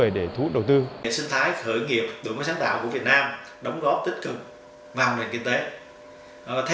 hệ sinh thái khởi nghiệp đội mới sáng tạo của việt nam đóng góp tích cực vào nền kinh tế